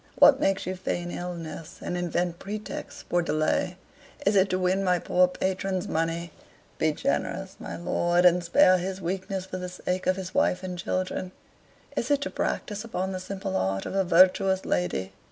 What makes you feign illness, and invent pretexts for delay? Is it to win my poor patron's money? Be generous, my lord, and spare his weakness for the sake of his wife and children. Is it to practise upon the simple heart of a virtuous lady?